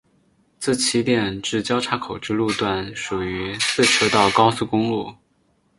自起点至交叉口之路段属于四车道高速公路。